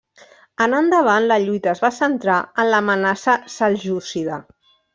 En endavant la lluita es va centrar en l'amenaça seljúcida.